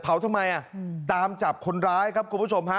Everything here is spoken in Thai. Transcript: ทำไมอ่ะตามจับคนร้ายครับคุณผู้ชมฮะ